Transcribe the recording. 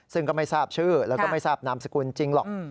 ซึ่งก็ไม่ทราบชื่อแล้วก็ไม่ทราบนามสกุลจริงหรอก